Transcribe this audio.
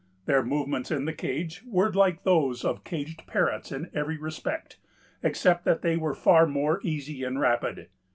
Their movements in the cage were like those of caged parrots in every respect, except that they were far more easy and rapid.